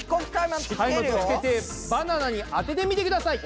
松明をつけてバナナに当ててみてください！